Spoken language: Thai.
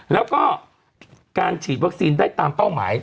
แล้วก็การฉีดวัคซีนได้ตามเป้าหมาย